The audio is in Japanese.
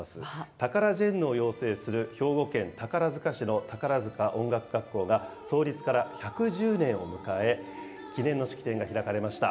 タカラジェンヌを養成する兵庫県宝塚市の宝塚音楽学校が、創立から１１０年を迎え、記念の式典が開かれました。